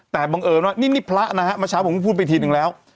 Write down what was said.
แต่บังเอิญว่านี่นี่พระนะฮะเมื่อเช้าผมก็พูดไปทีนึงแล้ว